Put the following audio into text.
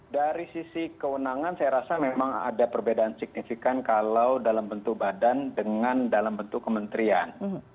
dari sisi kewenangan saya rasa memang ada perbedaan signifikan kalau dalam bentuk badan dengan dalam bentuk kementerian